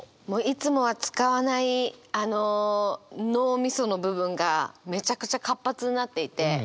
いつもは使わない脳みその部分がめちゃくちゃ活発になっていて。